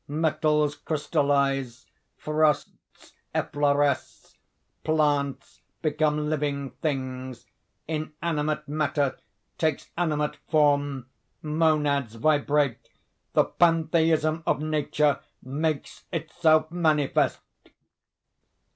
Metals crystallize; frosts effloresce; plants become living things, inanimate matter takes animate form, monads vibrate, the pantheism of nature makes itself manifest.